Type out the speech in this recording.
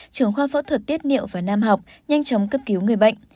trưởng khoa phẫu thuật tiết niệu và nam học nhanh chóng cấp cứu người bệnh